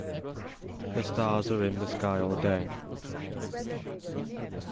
THE STARS ARE IN THE SKY ALL DAY.